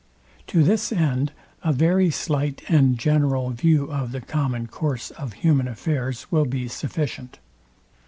To this end a very slight and general view of the common course of human affairs will be sufficient.